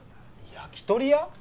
焼き鳥屋？